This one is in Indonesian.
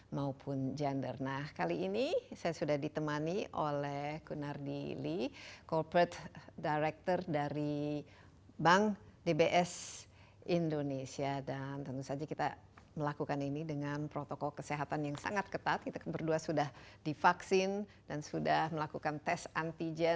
dan juga untuk mengembangkan kemampuan ekonomi